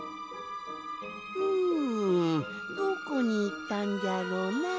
んどこにいったんじゃろなあ。